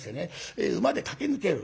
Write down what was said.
え馬で駆け抜ける。